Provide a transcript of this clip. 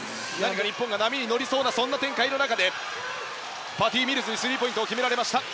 日本が波に乗りそうな展開の中でパティ・ミルズにスリーポイントを決められた。